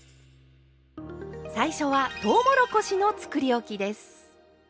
最初はとうもろこしのつくりおきです。